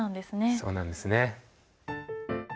そうなんですね。